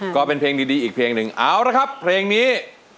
ก็เป็นเพลงดีอีกเพลงหนึ่งเอาละครับเพลงนี้